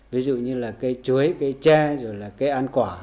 ví dụ như là cây chuối cây tre rồi là cây ăn quả